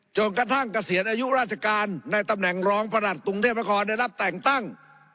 กระทั่งเกษียณอายุราชการในตำแหน่งรองประหลัดกรุงเทพนครได้รับแต่งตั้ง